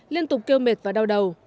liên tục kêu mệt và đau đầu